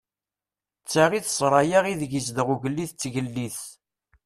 D ta i d ssṛaya ideg izdeɣ ugellid d tgellidt.